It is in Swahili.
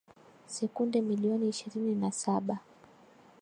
sekunde milioni ishirini na saba